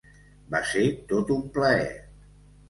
Va ser tot un plaer.